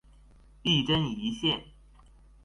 一针一线